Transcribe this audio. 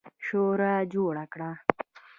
شورا جوړه کړه.